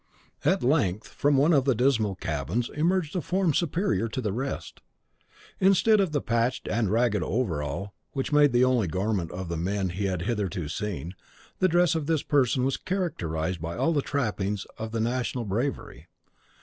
At length from one of the dismal cabins emerged a form superior to the rest. Instead of the patched and ragged over all, which made the only garment of the men he had hitherto seen, the dress of this person was characterised by all the trappings of the national bravery.